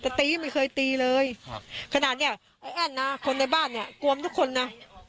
แต่ตีไม่เคยตีเลยครับขนาดเนี้ยไอ้แอ้นนะคนในบ้านเนี่ยกวมทุกคนนะ